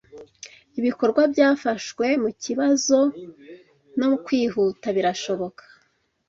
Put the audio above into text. Ibikorwa byafashwe mukibazo no kwihuta birashobora